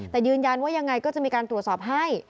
แต่ยืนยันว่ายังไงก็จะมีการตรวจสอบให้